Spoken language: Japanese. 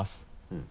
うん。